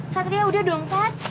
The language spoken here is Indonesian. satria udah dong sat